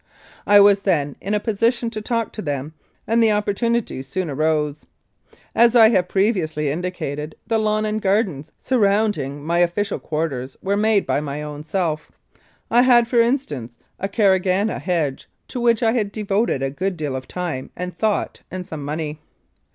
I was then in a position to talk to them, and the opportunity soon arose. As I have pre viously indicated, the lawn and gardens surrounding my official quarters were made by my own seU. I had, for instance, a caragana hedge, to which I had devoted a good deal of time and thought and some money.